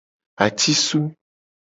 Atisu.